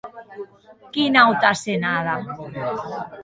Quina auta asenada!